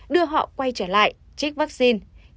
đưa họ quay trở lại trích vaccine